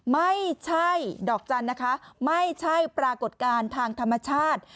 ไม่ใช่ดอกจันทร์นะคะไม่ใช่ปรากฏการณ์ทางธรรมชาติ